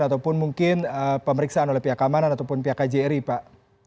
ataupun mungkin pemeriksaan oleh pihak keamanan ataupun pihak kjri pak